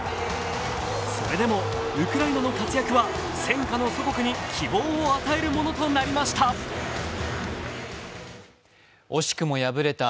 それでもウクライナの活躍は戦禍の祖国に希望を与えるものとなりました。